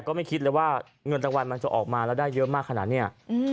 ไม่คิดเลยว่าเงินรางวัลมันจะออกมาแล้วได้เยอะมากขนาดนี้